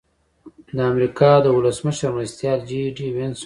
د امریکا د ولسمشر مرستیال جي ډي وینس وايي.